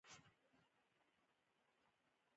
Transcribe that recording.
فزیکي ازموینې د بدن د فعالیت اندازه ښيي.